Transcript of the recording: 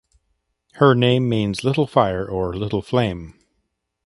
Her name means "little fire" or "little flame".